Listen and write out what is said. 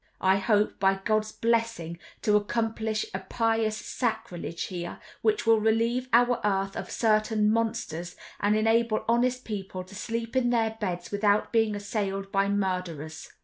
I hope, by God's blessing, to accomplish a pious sacrilege here, which will relieve our earth of certain monsters, and enable honest people to sleep in their beds without being assailed by murderers.